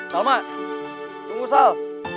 salmat tunggu sal